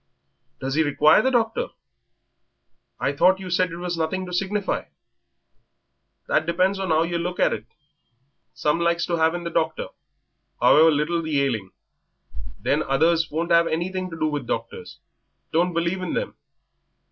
"Does he require the doctor? I thought you said it was nothing to signify." "That depends on 'ow yer looks at it. Some likes to 'ave in the doctor, however little the ailing; then others won't 'ave anything to do with doctors don't believe in them.